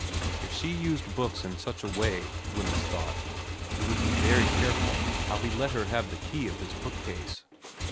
If she used books in such a way, Wemyss thought, he would be very careful how he let her have the key of his bookcase.